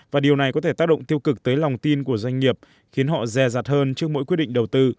và điều này có thể tác động tiêu cực tới lòng tin của doanh nghiệp khiến họ rè rạt hơn trước mỗi quyết định đầu tư